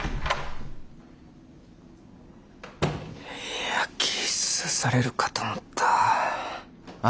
いやキッスされるかと思った。